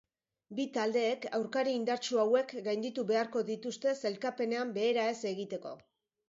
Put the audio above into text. Bi taldeek aurkari indartsu hauek gainditu beharko dituzte sailkapenean behera ez egiteko.